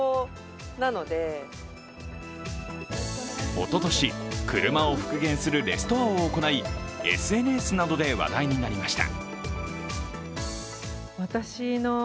おととし、車を復元するレストアを行いＳＮＳなどで話題になりました。